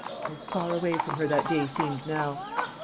How far away from her that day seemed now!